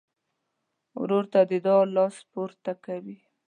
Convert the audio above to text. ورور ته د دعا لاس پورته کوي.